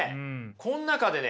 この中でね